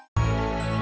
kali lo mau nyambung